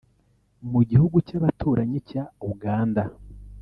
Mu gihugu cy’abaturanyi cya Uganda